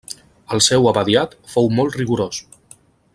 El seu abadiat fou molt rigorós.